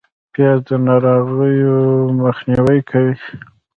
پیاز د ناروغیو مخنیوی کوي